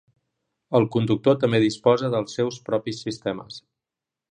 El conductor també disposa dels seus propis sistemes.